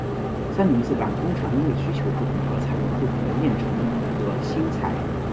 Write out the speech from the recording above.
三明治板通常因为需求不同而采用不同的面层和芯材。